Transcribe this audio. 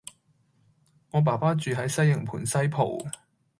我爸爸住喺西營盤西浦